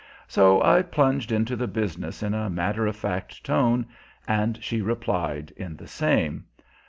So I plunged into the business in a matter of fact tone, and she replied in the same.